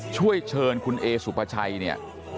ช่วยเชิญคุณเอสุปไศัย